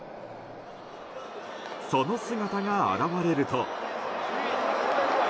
その姿が現れると。